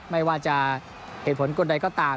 ไม่ว่าจะเหตุผลกลใดก็ตาม